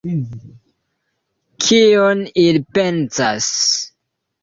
Kion ili pensas?